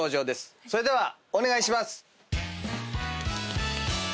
それではお願いします！